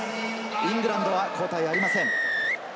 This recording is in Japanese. イングランドは交代はありません。